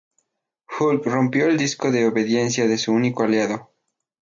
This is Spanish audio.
Hulk rompió el disco de obediencia de su único aliado.